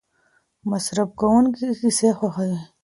مصرف کوونکي کیسې خوښوي.